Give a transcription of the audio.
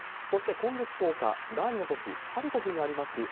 そして今月１０日、第２の都市ハリコフにあります